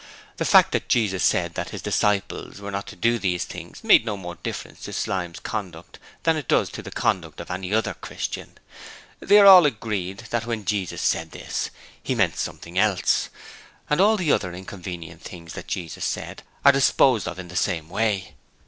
The fact that Jesus said that His disciples were not to do these things made no more difference to Slyme's conduct than it does to the conduct of any other 'Christian'. They are all agreed that when Jesus said this He meant something else: and all the other inconvenient things that Jesus said are disposed of in the same way.